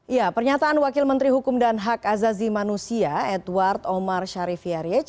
ya pernyataan wakil menteri hukum dan hak azazi manusia edward omar sharif yariej